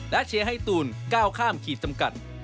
และเชียร์ให้ตูนก้าวข้ามขีดจำกัด